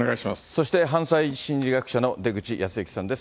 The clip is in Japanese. そして犯罪心理学者の出口保行さんです。